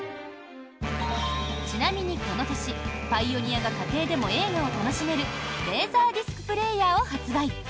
ちなみにこの年、パイオニアが家庭でも映画を楽しめるレーザーディスクプレーヤーを発売。